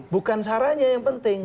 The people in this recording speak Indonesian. bukan saranya yang penting